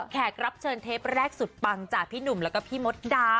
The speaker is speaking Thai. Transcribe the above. แขกรับเชิญเทปแรกสุดปังจากพี่หนุ่มแล้วก็พี่มดดำ